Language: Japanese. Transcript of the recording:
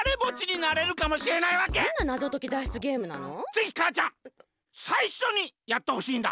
ぜひかあちゃんさいしょにやってほしいんだ！